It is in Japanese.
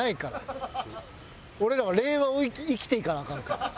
俺らは令和を生きていかなアカンから。